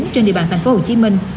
trên địa bàn thành phố hồ chí minh